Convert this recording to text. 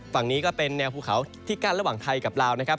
ฝั่งนี้ก็เป็นแนวภูเขาที่กั้นระหว่างไทยกับลาวนะครับ